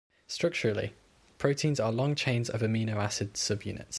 Structurally, proteins are long chains of amino acid subunits.